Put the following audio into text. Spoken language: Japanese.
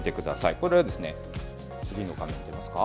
これは次の画面、出ますか。